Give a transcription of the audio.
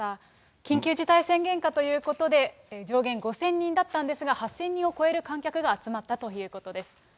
緊急事態宣言下ということで、上限５０００人だったんですが、８０００人を超える観客が集まったということです。